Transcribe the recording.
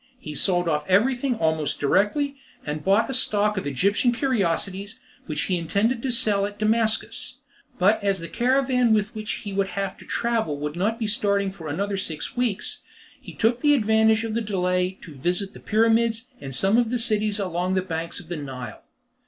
He sold off everything almost directly, and bought a stock of Egyptian curiosities, which he intended selling at Damascus; but as the caravan with which he would have to travel would not be starting for another six weeks, he took advantage of the delay to visit the Pyramids, and some of the cities along the banks of the Nile.